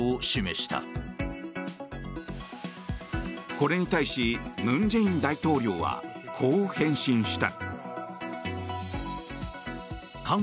これに対し文在寅大統領はこう返信した。